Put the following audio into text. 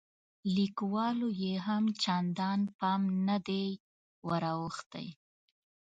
لیکوالو یې هم چندان پام نه دی وراوښتی.